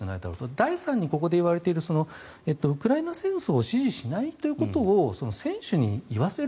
第３に、ここで言われているウクライナ戦争を支持しないということを選手に言わせる。